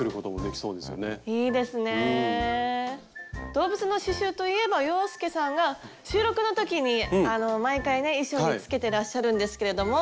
動物の刺しゅうといえば洋輔さんが収録の時にあの毎回ね衣装につけてらっしゃるんですけれども。